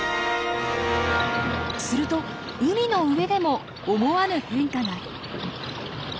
すると海の上でも思わぬ変化が。